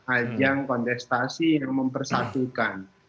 ajang kontestasi yang mempersatukan